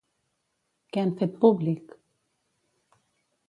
Què han fet públic?